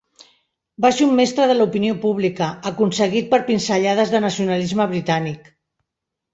Va ser un mestre de l'opinió pública, aconseguit per pinzellades de nacionalisme britànic.